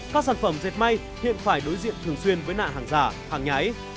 các sản phẩm dệt may hiện phải đối diện thường xuyên với nạn hàng giả hàng nhái